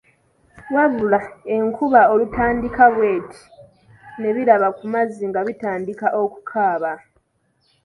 Wabula, enkuba olutandika bw’eti ne biraba ku mazzi nga bitandika okukaaba.